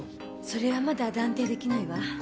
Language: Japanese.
それはまだ断定出来ないわ。